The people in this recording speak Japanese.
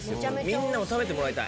みんなも食べてもらいたい。